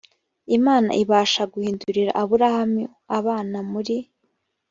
imana ibasha guhindurira aburahamu abana muri